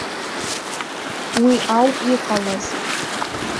Уи ауп иҟалаз.